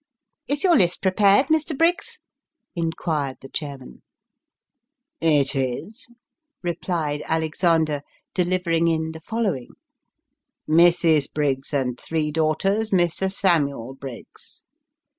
'; Is your list prepared, Mr. Briggs ?" inquired the chairman. " It is," replied Alexander, delivering in the following :" Mrs. Briggs and three daughters, Mr. Samuel Briggs."